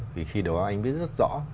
vì khi đó anh biết rất rõ